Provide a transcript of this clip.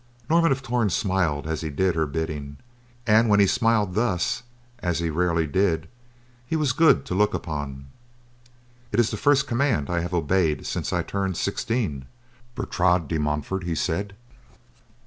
Norman of Torn smiled as he did her bidding, and when he smiled thus, as he rarely did, he was good to look upon. "It is the first command I have obeyed since I turned sixteen, Bertrade de Montfort," he said.